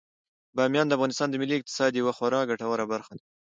بامیان د افغانستان د ملي اقتصاد یوه خورا ګټوره برخه ده.